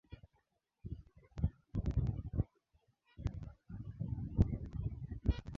Kulionekana hatua za watu wawili wakipanda kwenye gorofa lisilomalizika